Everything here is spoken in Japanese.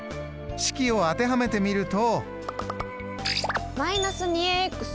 式を当てはめてみると。